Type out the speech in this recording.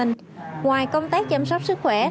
ngoài công tác chăm sóc sức khỏe